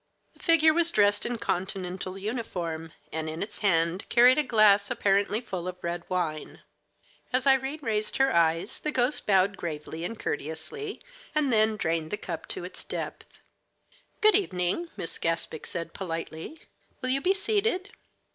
The figure was dressed in Continental uniform, and in its hand carried a glass apparently full of red wine. As Irene raised her eyes, the ghost bowed gravely and courteously, and then drained the cup to its depth. "Good evening," Miss Gaspic said politely. "Will you be seated?"